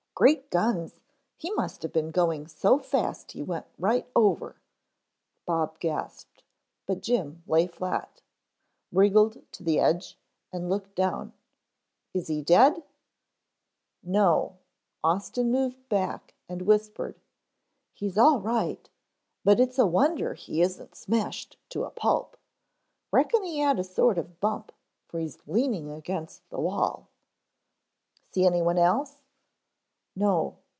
"Great guns, he must have been going so fast he went right over," Bob gasped, but Jim lay flat, wriggled to the edge and looked down. "Is he dead?" "No." Austin moved back and whispered. "He's all right, but it's a wonder he isn't smashed to a pulp. Reckon he had a sort of bump for he's leaning against the wall." "See anyone else?" "No.